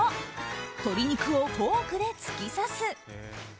５鶏肉をフォークで突き刺す。